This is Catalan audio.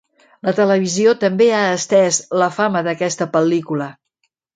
La televisió també ha estès la fama d'aquesta pel·lícula.